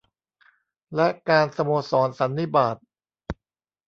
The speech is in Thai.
และการสโมสรสันนิบาต